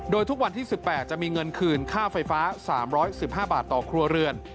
โดยทุกวันที่๑๘จะมีเงินคืนค่าไฟฟ้า๓๑๕บาทต่อครัวเรือน